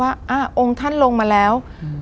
อ่าองค์ท่านลงมาแล้วอืม